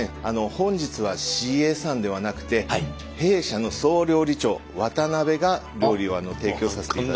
本日はＣＡさんではなくて弊社の総料理長渡が料理を提供させていただきます。